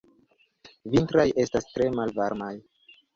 Vintraj estas tre malvarmaj.